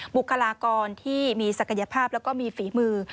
บุคลากรที่มีศักยภาพแล้วก็มีฝีมือ